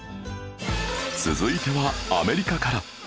続いてはアメリカから